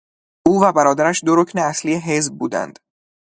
او و برادرش دو رکن اصلی حزب بودند.